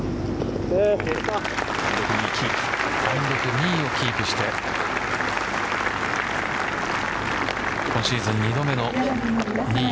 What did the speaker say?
２位をキープして今シーズン２度目の２位。